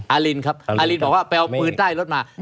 อารินครับอารินบอกว่าไปเอาปืนใต้รถมา